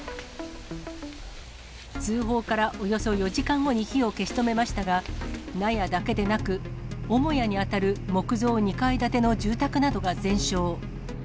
通報からおよそ４時間後に火を消し止めましたが、納屋だけでなく、母屋に当たる木造２階建ての住宅などが全焼。